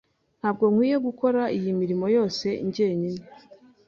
Ntabwo nkwiye gukora iyi mirimo yose njyenyine.